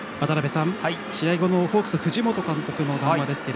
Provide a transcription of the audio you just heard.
試合後のホークス藤本監督の談話です。